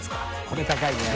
これ高いね。